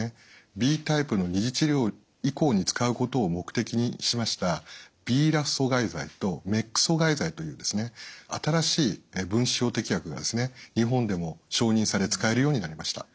Ｂタイプの２次治療以降に使うことを目的にしましたＢＲＡＦ阻害剤とＭＥＫ阻害剤という新しい分子標的薬が日本でも承認され使えるようになりました。